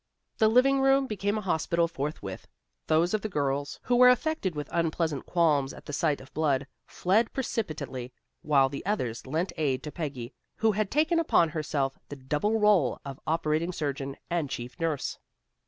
The living room became a hospital forthwith. Those of the girls who were affected with unpleasant qualms at the sight of blood, fled precipitately, while the others lent aid to Peggy, who had taken upon herself the double rôle of operating surgeon and chief nurse.